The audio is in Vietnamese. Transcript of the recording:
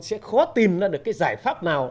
sẽ khó tìm ra được cái giải pháp nào